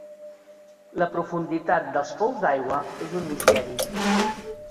La profunditat dels pous d'aigua és un misteri.